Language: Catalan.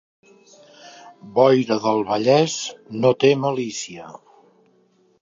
Boira del Vallès no té malícia.